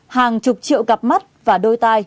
hàng chục triệu gặp mắt và đôi tay